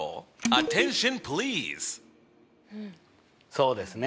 そうですね。